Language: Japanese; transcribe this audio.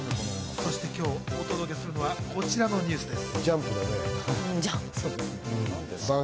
今日お届けするのはこちらのニュースです。